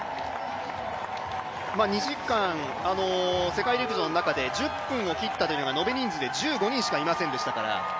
世界陸上の中で２時間１０分を切ったというのが延べ人数で１５人しかいませんでしたから。